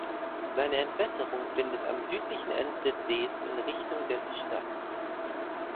Seine Entwässerung findet am südlichen Ende des Sees in Richtung des statt.